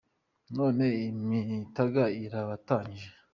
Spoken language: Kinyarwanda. None imitaga irabatanyije